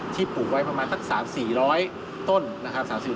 ปลูกไว้ประมาณสัก๓๔๐๐ต้นนะครับ